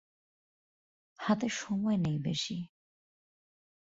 হাতে সময় নেই বেশি।